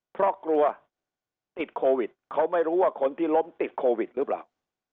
เพราะกลัวติดโควิดเขาไม่รู้ว่าคนที่ล้มติดโควิดหรือเปล่า